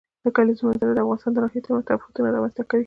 د کلیزو منظره د افغانستان د ناحیو ترمنځ تفاوتونه رامنځ ته کوي.